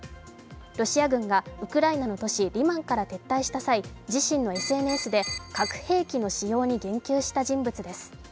ロシア軍がウクライナの都市リマンから撤退した際、自身のＳＮＳで、核兵器の使用に言及した人物です。